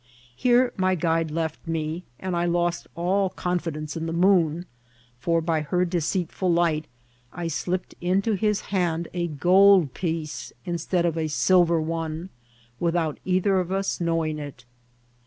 Here my guide left met, and I lost all confidence m the moon, for by her deceit ful light I slipped into his hand a gold piece instead of a silver one, without either of us knowing it.